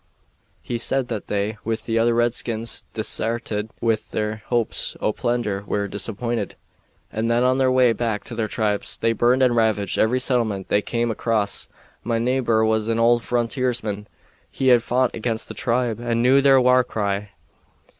He said that they, with the other redskins, desairted when their hopes o' plunder were disappointed, and that on their way back to their tribes they burned and ravaged every settlement they cam' across. My neebor was an old frontiersman; he had fought against the tribe and knew their war cry.